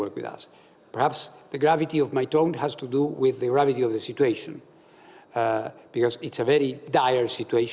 karena situasi ini sangat berat dan kita harus bergerak cepat